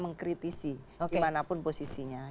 mengkritisi dimanapun posisinya